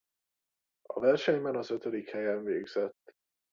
A versenyben az ötödik helyen végzett.